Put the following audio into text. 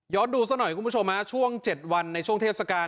ดูซะหน่อยคุณผู้ชมฮะช่วง๗วันในช่วงเทศกาล